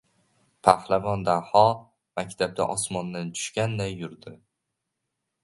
Pahlavon Daho maktabda osmondan tushganday yurdi.